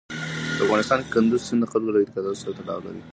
په افغانستان کې کندز سیند د خلکو له اعتقاداتو سره تړاو لري.